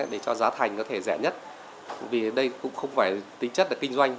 để cho giá thành có thể rẻ nhất vì đây cũng không phải tính chất là kinh doanh